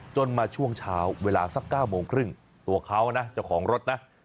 มาช่วงเช้าเวลาสัก๙โมงครึ่งตัวเขานะเจ้าของรถนะ